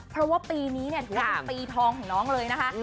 เพราะว่าปีนี้เนี่ยถือว่าเป็นปีทองของน้องเลยนะคะ